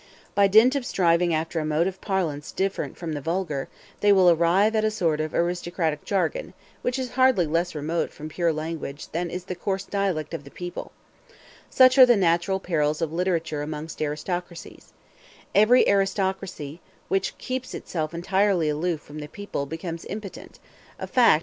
By dint of striving after a mode of parlance different from the vulgar, they will arrive at a sort of aristocratic jargon, which is hardly less remote from pure language than is the coarse dialect of the people. Such are the natural perils of literature amongst aristocracies. Every aristocracy which keeps itself entirely aloof from the people becomes impotent a fact which is as true in literature as it is in politics.